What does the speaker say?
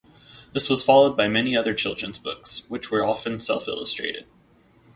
This was followed by many other children's books, which were often self-illustrated.